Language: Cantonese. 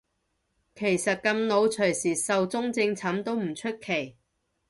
其實咁老隨時壽終正寢都唔出奇